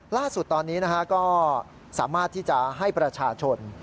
ล่าสุดตอนนี้ก็สามารถที่จะให้ประชาชน